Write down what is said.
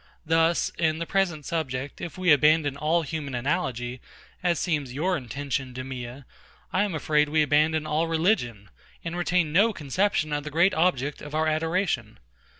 Thus, in the present subject, if we abandon all human analogy, as seems your intention, DEMEA, I am afraid we abandon all religion, and retain no conception of the great object of our adoration.